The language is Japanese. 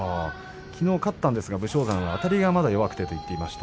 きのう勝ちましたが武将山はまだ、あたりが弱くてと言っていました。